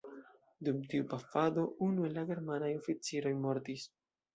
Dum tiu pafado unu el la germanaj oficiroj mortis.